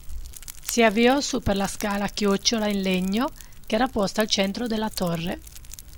Si avviò su per la scala a chiocciola in legno che era posta al centro della torre.